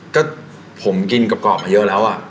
ก็ผมกินกลับกล่อมาเยอะแล้วอ่ะ